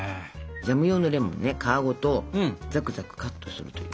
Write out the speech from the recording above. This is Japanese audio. ジャム用のレモンね皮ごとザクザクカットするという。